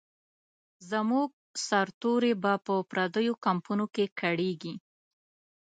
زموږ سرتوري به په پردیو کمپونو کې کړیږي.